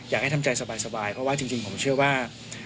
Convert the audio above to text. อยากจะทำใจสบายเพราะว่าจริงผมเชื่อว่า